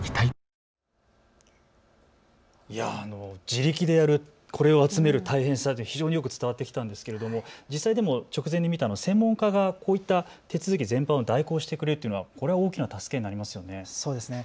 自力でやる、これを集める大変さってよく伝わってきたんですけれども直前に見た専門家がこういった手続き全般を代行してくれるというのは大きな助けになりますね。